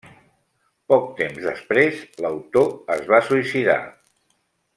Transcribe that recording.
Poc temps després, l'autor es va suïcidar.